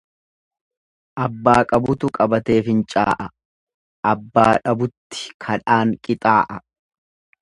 Abbaa qabutu qabatee fincaa'a, abbaa dhabutti kadhaan qixaa'a.